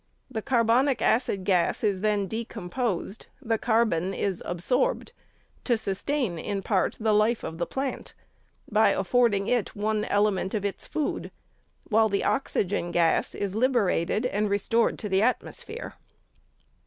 The carbonic acid gas is then decomposed, the carbon is absorbed, to sustain, in part, the life of the plant, by affording it one element of its food, while the oxygen gas is liberated, and restored to the atmosphere.